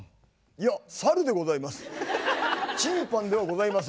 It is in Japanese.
いや猿でございます。